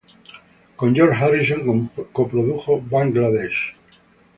Con George Harrison coprodujo "Bangla-Desh".